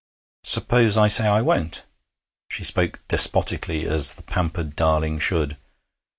'Suppose I say I won't?' She spoke despotically, as the pampered darling should.